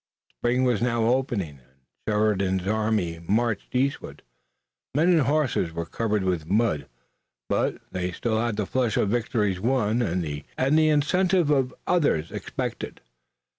Spring was now opening and Sheridan's army marched eastward. Men and horses were covered with mud, but they still had the flush of victories won, and the incentive of others expected.